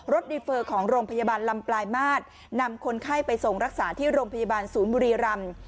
ดีเฟอร์ของโรงพยาบาลลำปลายมาตรนำคนไข้ไปส่งรักษาที่โรงพยาบาลศูนย์บุรีรำ